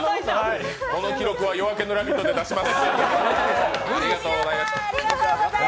この記録は「夜明けのラヴィット！」で出します。